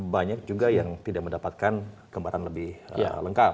banyak juga yang tidak mendapatkan kembaran lebih lengkap